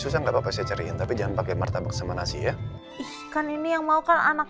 susah nggak apa apa saya cariin tapi jangan pakai martabak sama nasi ya ih kan ini yang mau kan anak